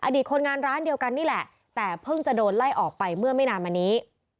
คนงานร้านเดียวกันนี่แหละแต่เพิ่งจะโดนไล่ออกไปเมื่อไม่นานมานี้